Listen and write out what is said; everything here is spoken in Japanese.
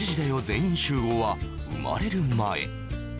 全員集合」は生まれる前